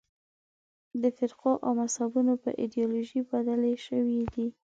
د فرقو او مذهبونو په ایدیالوژۍ بدلې شوې دي.